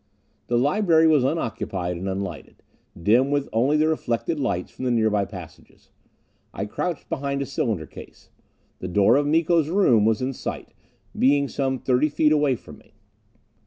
The library was unoccupied and unlighted, dim with only the reflected lights from the nearby passages. I crouched behind a cylinder case. The door of Miko's room was in sight, being some thirty feet away from me.